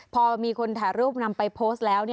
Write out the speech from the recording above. พอมีคนถ่ายรูปนำไปโพสต์แล้ว